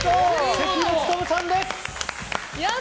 関根勤さんです！